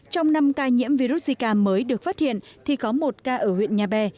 trong năm ca nhiễm virus zika mới được phát hiện thì có một ca ở huyện nhà bè